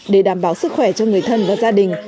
để đảm bảo sức khỏe cho người thân và gia đình